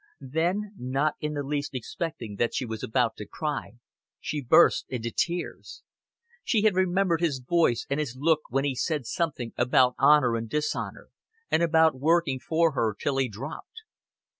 Then, not in the least expecting that she was about to cry, she burst into tears. She had remembered his voice and his look when he said something about honor and dishonor, and about working for her till he dropped.